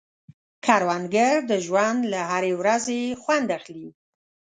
کروندګر د ژوند له هرې ورځې خوند اخلي